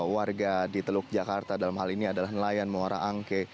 warga di teluk jakarta dalam hal ini adalah nelayan muara angke